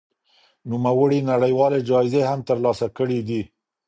نوموړي نړيوالې جايزې هم ترلاسه کړې دي.